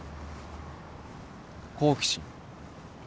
好奇心。